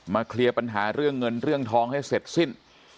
เคลียร์ปัญหาเรื่องเงินเรื่องทองให้เสร็จสิ้น